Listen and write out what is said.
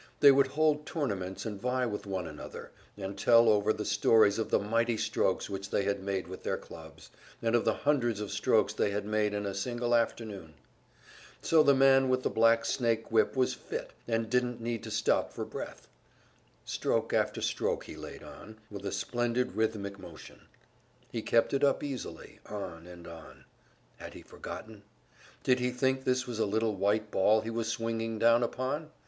They would hold tournaments, and vie with one another, and tell over the stories of the mighty strokes which they had made with their clubs, and of the hundreds of strokes they had made in a single afternoon. So the man with the black snake whip was "fit," and didn't need to stop for breath. Stroke after stroke he laid on, with a splendid rhythmic motion; he kept it up easily, on and on. Had he forgotten? Did he think this was a little white ball he was swinging down upon?